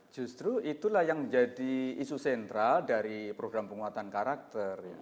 justru itulah yang menjadi isu sentral dari program penguatan karakter